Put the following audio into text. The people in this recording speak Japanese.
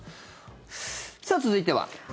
続いては。